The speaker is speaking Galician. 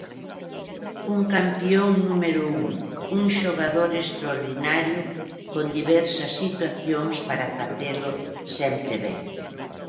Un campión, número un, un xogador extraordinario con diversas situacións para facelo sempre ben.